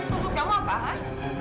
tentu kamu apaan